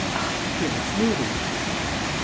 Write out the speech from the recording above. . ah, there, it's moving! .